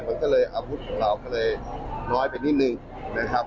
มันก็เลยอาวุธของเราก็เลยน้อยไปนิดนึงนะครับ